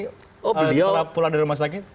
setelah pulang dari rumah sakit